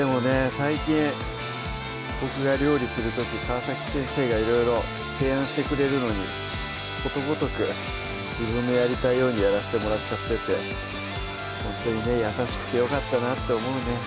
最近僕が料理する時川先生がいろいろ提案してくれるのにことごとく自分のやりたいようにやらしてもらっちゃっててほんとにね優しくてよかったなって思うね